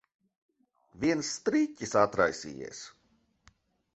Viens striķis atraisījies.